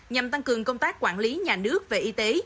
nhằm tăng cường công tác quản lý nhà nước về y tế